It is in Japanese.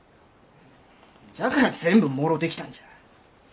じゃから全部もろうてきたんじゃ。